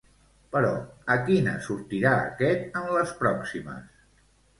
Però, a quina sortirà aquest en les pròximes?